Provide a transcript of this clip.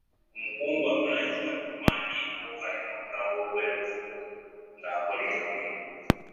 Omukungu avunaanyizibwa ku biwandiiko alina okulaga obwerufu ng'akola emirimu.